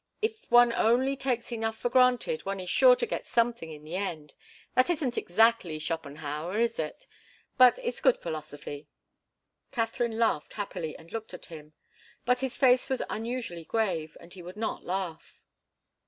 If one only takes enough for granted, one is sure to get something in the end. That isn't exactly Schopenhauer, is it? But it's good philosophy." Katharine laughed happily and looked at him. But his face was unusually grave, and he would not laugh.